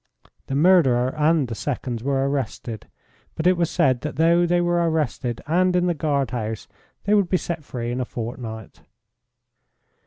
The murderer and the seconds were arrested, but it was said that though they were arrested and in the guardhouse they would be set free in a fortnight.